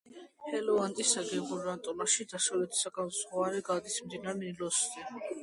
ჰელუანის საგუბერნატოროს დასავლეთის საზღვარი გადის მდინარე ნილოსზე.